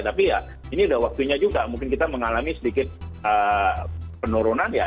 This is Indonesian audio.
tapi ya ini udah waktunya juga mungkin kita mengalami sedikit penurunan ya